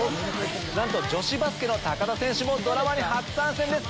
なんと女子バスケの田選手もドラマに初参戦です！